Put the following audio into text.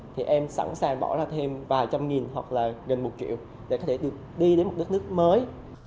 thì em sẵn sàng bỏ ra thêm vài trăm nghìn hoặc là gần một triệu để có thể được đi đến một đất nước mới